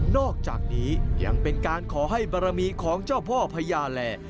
อกจากนี้ยังเป็นการขอให้บารมีของเจ้าพ่อพญาแหล่